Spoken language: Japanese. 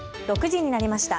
６時になりました。